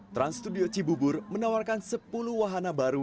trans studio cibubur menawarkan sepuluh wahana baru